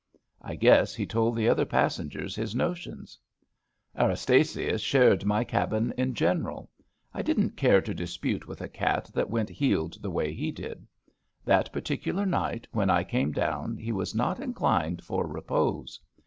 I guess he told the other passengers his notions. Erastasius shared my cabin in general. I didn't care to dispute with a cat that went heeled the way he did. That particular night when I came down he was not inclined for repose.